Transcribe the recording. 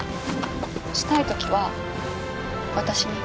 したい時は私に。